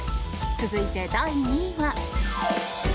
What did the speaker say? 続いて、第２位は。